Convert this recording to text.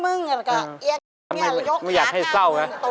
เอ่ยอยากให้เศร้าครับ